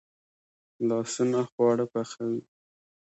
لاسونه خواړه پخوي